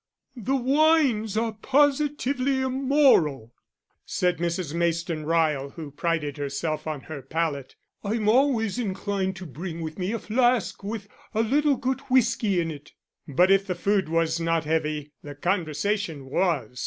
"The wines are positively immoral," said Mrs. Mayston Ryle, who prided herself on her palate. "I'm always inclined to bring with me a flask with a little good whisky in it." But if the food was not heavy the conversation was.